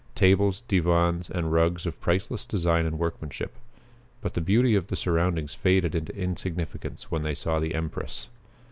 Tables, divans, and rugs of priceless design and workmanship. But the beauty of the surroundings faded into insignificance when they saw the empress.